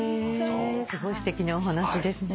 すごいすてきなお話ですね。